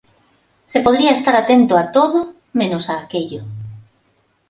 Se podría estar atento a todo, menos a aquello.